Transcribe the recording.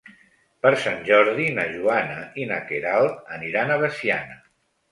Per Sant Jordi na Joana i na Queralt aniran a Veciana.